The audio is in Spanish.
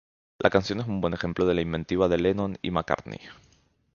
La canción es un buen ejemplo de la inventiva de Lennon y McCartney.